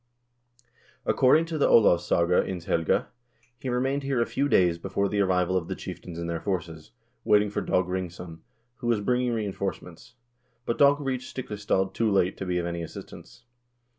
According to the "Olavssaga ins helga " he remained here a few days before the arrival of the chieftains and their forces, waiting for Dag Ringsson, who was bringing reinforcements ; but Dag reached Stikle stad too late to be of any assistance.